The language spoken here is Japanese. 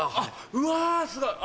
うわすごい！